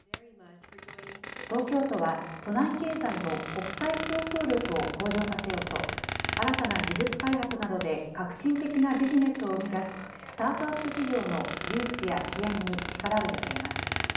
東京都は、都内経済の国際競争力を向上させようと、新たな技術開発などで革新的なビジネスを生み出すスタートアップ企業の誘致や支援に力を入れています。